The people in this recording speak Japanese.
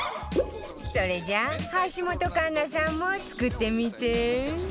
それじゃあ橋本環奈さんも作ってみて